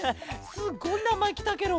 すっごいなまえきたケロ。